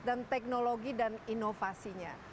dan teknologi dan inovasinya